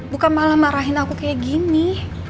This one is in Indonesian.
bukan malah marahin aku kayak gini